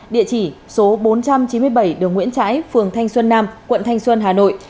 địa chỉ số bốn trăm chín mươi bảy đường nguyễn trãi phường thanh xuân nam quận thanh xuân hà nội